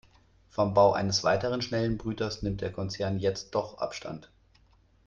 Vom Bau eines weiteren schnellen Brüters nimmt der Konzern jetzt doch Abstand.